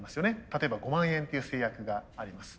例えば５万円っていう制約があります。